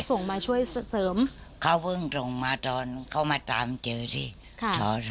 ส่งมาช่วยเสริมเขาเพิ่งส่งมาตอนเขามาตามเจอสิค่ะ